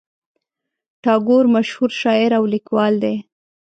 ټاګور مشهور شاعر او لیکوال دی.